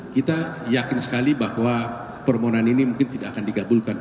kita yakin sekali bahwa permohonan ini mungkin tidak akan dikabulkan